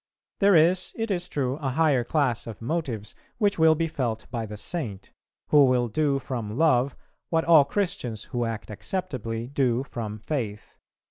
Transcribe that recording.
There is, it is true, a higher class of motives which will be felt by the Saint; who will do from love what all Christians, who act acceptably, do from faith.